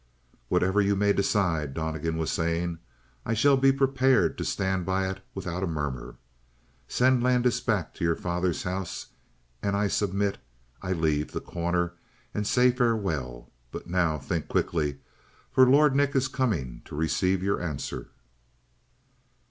"Whatever you may decide," Donnegan was saying. "I shall be prepared to stand by it without a murmur. Send Landis back to your father's house and I submit: I leave The Corner and say farewell. But now, think quickly. For Lord Nick is coming to receive your answer."